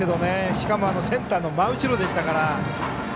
しかもセンターの真後ろでしたから。